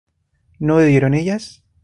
¿no bebieron ellas?